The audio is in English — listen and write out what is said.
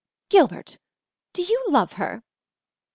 "Gilbert, do you love her?"